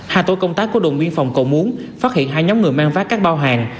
hai tổ công tác của đồn biên phòng cầu muốn phát hiện hai nhóm người mang vác các bao hàng